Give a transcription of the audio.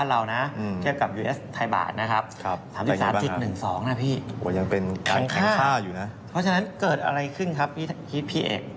เพราะฉะนั้นเกิดอะไรขึ้นครับพี่เอก